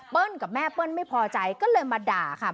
กับแม่เปิ้ลไม่พอใจก็เลยมาด่าค่ะ